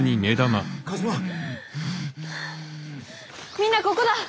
みんなここだ！